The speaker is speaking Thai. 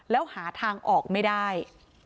แล้วหาทางออกไม่ได้